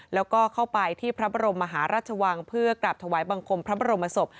แล้วก็เข้าไปที่พระบรมมหาราชวังเพื่อกราบถวายบังคมพระบรมศพ